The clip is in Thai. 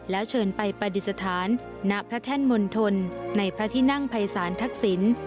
แล้วเชิญไปปฏิสถานณพระแท่นมณฑลในพระที่นั่งภัยศาลทักษิณ